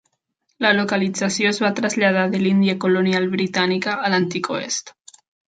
La localització es va traslladar de l'Índia colonial britànica a l'antic Oest.